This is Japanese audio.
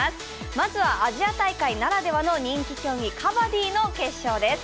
まずはアジア大会ならではの人気競技、カバディの決勝です。